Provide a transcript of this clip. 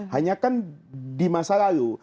hanya kan di masa lalu